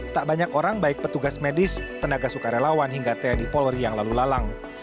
tak banyak orang baik petugas medis tenaga sukarelawan hingga tni polri yang lalu lalang